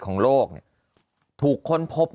ของโลกเนี่ยถูกค้นพบ